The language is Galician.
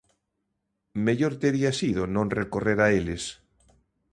Mellor tería sido non recorrer a eles.